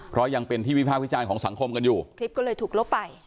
เพราะยังเป็นที่วิภาควิจารณ์ของสังคมกันอยู่คลิปก็เลยถูกลบไป